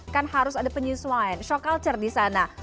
kan harus ada penyesuaian shock culture disana